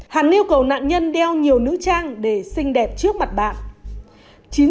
hẳn yêu cầu nạn nhân đeo nhiều nữ trang để xinh đẹp trước mặt bạn